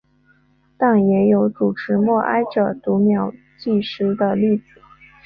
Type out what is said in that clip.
但也有主持默哀者读秒计时的例子。